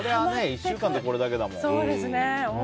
１週間でこれだけだから。